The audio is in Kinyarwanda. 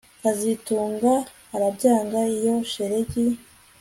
kazitunga arabyanga iyo shelegi